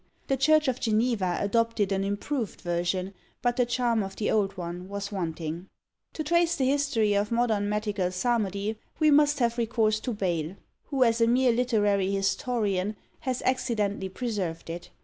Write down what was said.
The church of Geneva adopted an improved version, but the charm of the old one was wanting. To trace the history of modern metrical psalmody, we must have recourse to Bayle, who, as a mere literary historian, has accidentally preserved it.